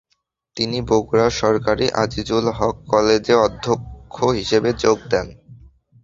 তিনি বগুড়ার সরকারি আজিজুল হক কলেজে অধ্যক্ষ হিসেবে যোগ দেন।